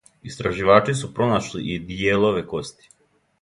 Истраживачи су пронашли и дијелове кости.